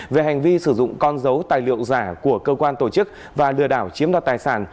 về hành vi sử dụng con dấu tài liệu giả của cơ quan tổ chức và lừa đảo chiếm đoạt tài sản